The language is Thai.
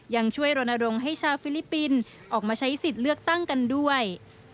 ยังช่วยรณรงค์ให้ชาวฟิลิปปินส์ออกมาใช้สิทธิ์เลือกตั้งกันด้วย